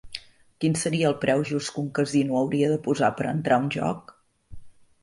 Quin seria el preu just que un casino hauria de posar per entrar a un joc?